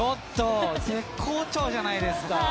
絶好調じゃないですか。